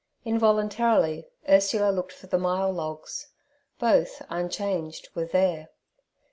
Involuntarily Ursula looked for the myall logs; both, unchanged, were there.